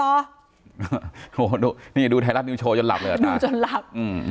โอ้โหดูนี่ดูไทยรัฐนิวโชว์จนหลับเลยอ่ะดูจนหลับอืม